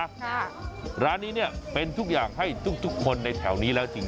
ค่ะร้านนี้เนี่ยเป็นทุกอย่างให้ทุกทุกคนในแถวนี้แล้วจริง